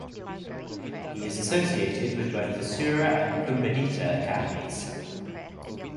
He is associated with both the Sura and Pumbedita academies.